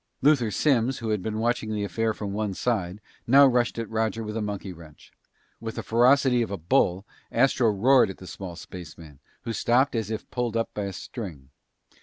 Luther Simms, who had been watching the affair from one side, now rushed at Roger with a monkey wrench. With the ferocity of a bull, Astro roared at the small spaceman, who stopped as if pulled up by a string.